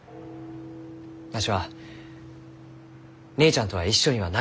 わしは姉ちゃんとは一緒にはなれん。